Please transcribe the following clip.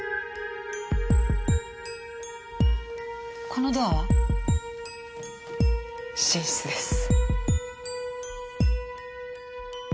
このドアは？寝室です。